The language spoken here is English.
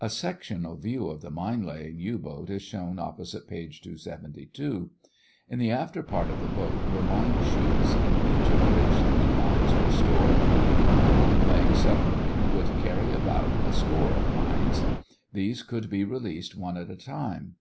A sectional view of the mine laying U boat is shown opposite page 272. In the after part of the boat were mine chutes in each of which three mines were stored. A mine laying submarine would carry about a score of mines. These could be released one at a time.